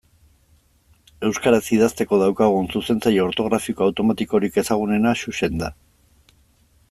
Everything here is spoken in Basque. Euskaraz idazteko daukagun zuzentzaile ortografiko automatikorik ezagunena Xuxen da.